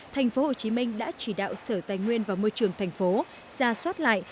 thành phố hồ chí minh đã chỉ đạo sở tài nguyên và môi trường thành phố ra soát lại